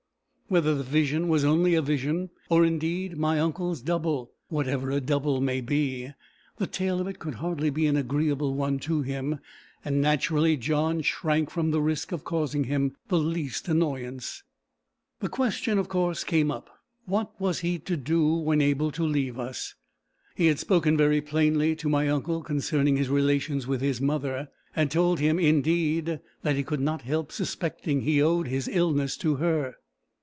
Whether the vision was only a vision, or indeed my uncle's double, whatever a double may be, the tale of it could hardly be an agreeable one to him; and naturally John shrank from the risk of causing him the least annoyance. The question of course came up, what he was to do when able to leave us. He had spoken very plainly to my uncle concerning his relations with his mother had told him indeed that he could not help suspecting he owed his illness to her.